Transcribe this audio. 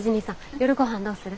夜ごはんどうする？